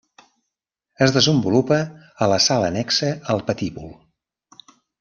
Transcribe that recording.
Es desenvolupa a la sala annexa al patíbul.